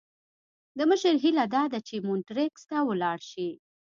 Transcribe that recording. د مشر هیله داده چې مونټریکس ته ولاړ شي.